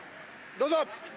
どうぞ！